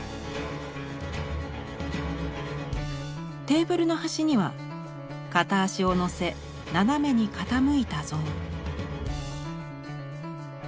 テーブルの端には片足を乗せ斜めに傾いた像。